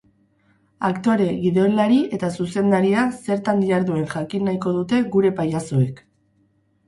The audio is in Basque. Aktore, gidoilari eta zuzendaria zertan diharduen jakin nahiko dute gure pailazoek.